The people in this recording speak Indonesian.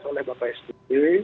oleh bapak sby